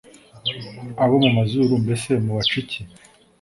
abo mu mazuru mbese mubaca iki